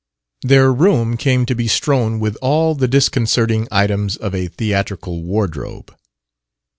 Their room came to be strown with all the disconcerting items of a theatrical wardrobe.